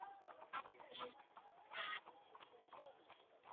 ilishambulia jeshi la Irak katika Kuwait na kurudisha serikali ya Emir al